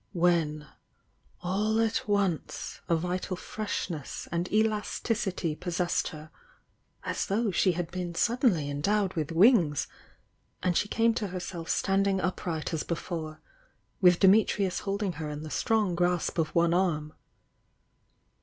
— when, all at once a vital freshness and elasticity possessed her as though she had been suddenly en dowed wilJi wings, and she came to herself standing upright as before, with Dimitrius holding her in the strong grasp of one arm.